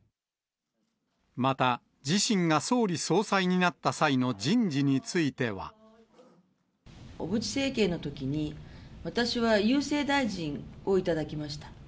また自身が総理・総裁になっ小渕政権のときに、私は郵政大臣を頂きました。